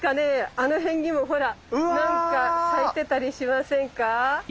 あの辺にもほら何か咲いてたりしませんか。